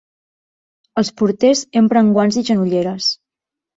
Els porters empren guants i genolleres.